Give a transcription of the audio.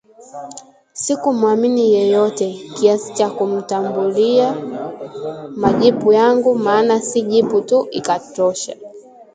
Sikumuamini yeyote kiasi cha kumtumbulia majipu yangu maana si jipu tu ikatosha